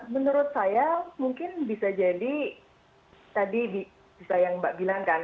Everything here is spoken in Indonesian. menurut saya mungkin bisa jadi tadi bisa yang mbak bilang kan